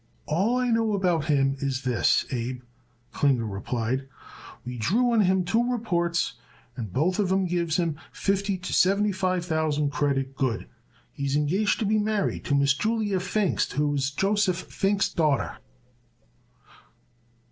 "All I know about him is this, Abe," Klinger replied. "We drew on him two reports and both of 'em gives him fifty to seventy five thousand credit good. He's engaged to be married to Miss Julia Pfingst, who is Joseph Pfingst's a daughter."